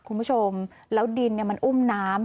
คุณผู้ชมแล้วดินมันอุ้มน้ำ